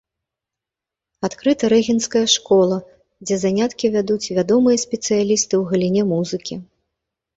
Адкрыта рэгенцкая школа, дзе заняткі вядуць вядомыя спецыялісты ў галіне музыкі.